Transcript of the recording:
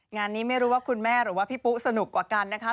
งานนี้ไม่รู้ว่าคุณแม่หรือว่าพี่ปุ๊สนุกกว่ากันนะคะ